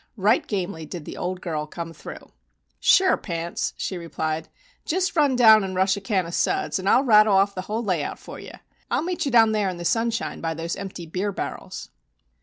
Right gamely did the old girl come through. "Sure, Pants," she replied. "Just run down and rush a can of suds, and I'll rattle off the whole layout for you. I'll meet you down there in the sunshine by those empty beer barrels."